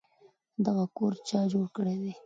دغه کور چا جوړ کړی دی؟